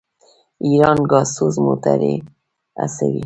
ایران ګازسوز موټرې هڅوي.